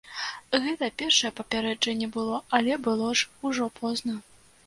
Гэта першае папярэджанне было, але было ж ужо позна.